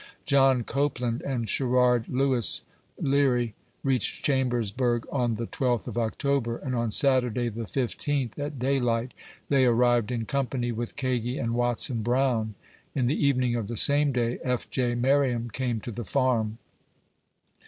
John Copeland and Sherrai d Lewis Leary reached Chambersburg on the 12th of October, and on Saturday, the 15 th, at daylight, they arrived, in company with Kagi and Watson Brpwu. In the evening of the same day, F. J. Merriam came to the Farm.